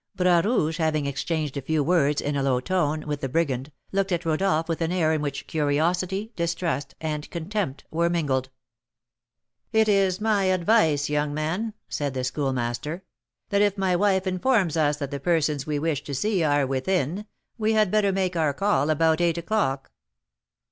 Bras Rouge having exchanged a few words, in a low tone, with the brigand, looked at Rodolph with an air in which curiosity, distrust, and contempt were mingled. "It is my advice, young man," said the Schoolmaster, "that if my wife informs us that the persons we wish to see are within, we had better make our call about eight o'clock."